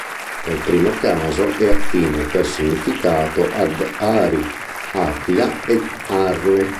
Nel primo caso è affine per significato ad Ari, Aquila e Arne.